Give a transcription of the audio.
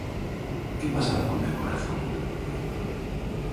¿Que pasaba co meu corazón?...